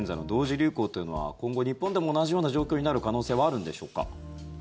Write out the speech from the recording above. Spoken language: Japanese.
流行というのは今後、日本でも同じような状況になる可能性はあるんでしょうか。